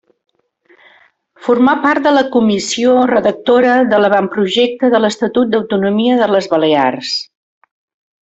Formà part de la Comissió Redactora de l’Avantprojecte de l’Estatut d’Autonomia de les Balears.